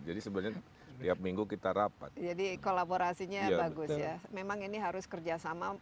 jadi sebenarnya tiap minggu kita rapat jadi kolaborasinya bagus ya memang ini harus kerjasama